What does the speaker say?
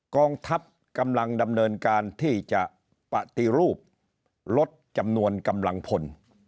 กองทัพกำลังดำเนินการที่จะปฏิรูปลดจำนวนกำลังพล